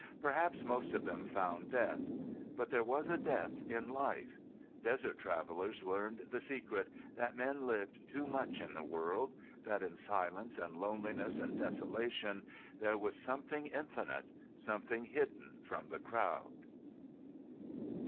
Perhaps most of them found death. But there was a death in life. Desert travelers learned the secret that men lived too much in the world that in silence and loneliness and desolation there was something infinite, something hidden from the crowd.